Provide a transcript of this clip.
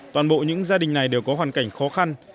toàn bộ những gia đình này đều có hoàn cảnh khó khăn